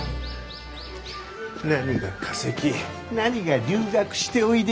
なにが化石なにが留学しておいで。